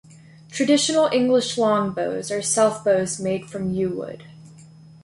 Traditional English longbows are self bows made from yew wood.